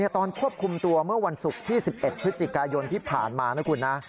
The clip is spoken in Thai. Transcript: ตอนควบคุมตัวเมื่อวันศุกร์ที่๑๑พฤศจิกายนที่ผ่านมานะคุณนะ